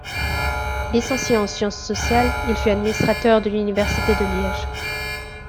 Licencié en sciences sociales, il fut administrateur de l'université de Liège.